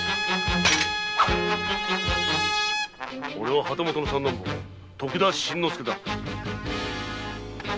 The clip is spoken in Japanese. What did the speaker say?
俺は旗本の三男坊徳田新之助だ。